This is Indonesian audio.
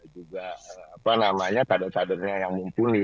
juga tada tadanya yang mumpuni